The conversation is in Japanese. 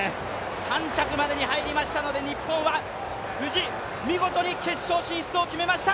３着までに入りましたので日本は無事見事に決勝を決めました。